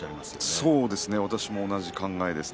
そうですね同じ考えですね。